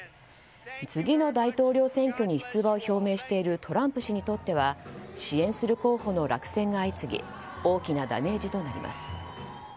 次の大統領選挙に出馬を表明しているトランプ氏にとっては支援する候補の落選が相次ぎ大きなダメージとなります。